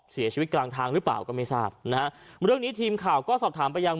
เสียชีวิตกลางทางหรือเปล่าก็ไม่ทราบนะฮะเรื่องนี้ทีมข่าวก็สอบถามไปยัง